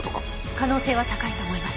可能性は高いと思います。